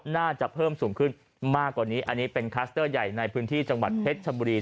น่าจะเพิ่มสูงขึ้นมากกว่านี้อันนี้เป็นคลัสเตอร์ใหญ่ในพื้นที่จังหวัดเพชรชบุรี